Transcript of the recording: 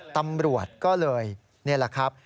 ตำรวจก็เลยนี่แหละครับ